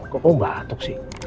kok kamu batuk sih